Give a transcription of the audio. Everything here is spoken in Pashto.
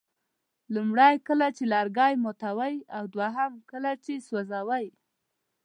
لومړی کله چې لرګي ماتوئ او دوهم کله چې سوځوئ.